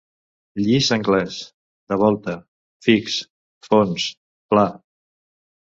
Lliç anglès, de volta, fix, fons, pla.